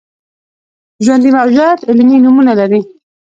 ژوندي موجودات علمي نومونه لري